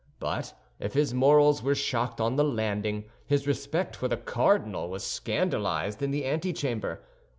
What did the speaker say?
But if his morals were shocked on the landing, his respect for the cardinal was scandalized in the antechamber.